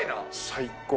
最高。